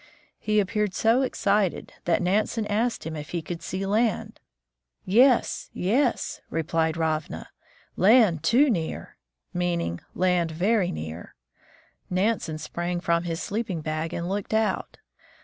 He appeared so excited that Nansen asked him if he could see land. "Yes, yes," replied Ravna, "land too near!" — meaning, "land very near." Nansen sprang from his sleeping bag and looked out.